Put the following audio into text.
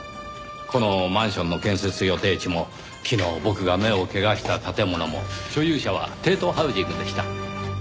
このマンションの建設予定地も昨日僕が目を怪我した建物も所有者はテイトーハウジングでした。